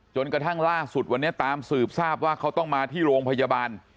จนกระทั่งล่าสุดวันนี้ตามสืบทราบว่าเขาต้องมาที่โรงพยาบาล